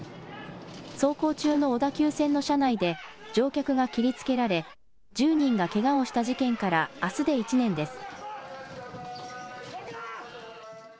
走行中の小田急線の車内で乗客が切りつけられ１０人がけがをした事件からあすで１年です。